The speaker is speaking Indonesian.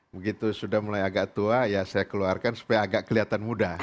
begitu sudah mulai agak tua ya saya keluarkan supaya agak kelihatan mudah